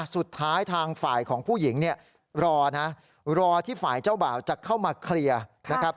สุดท้ายทางฝ่ายของผู้หญิงรอที่ฝ่ายเจ้าบ่าวจะเข้ามาเคลียร์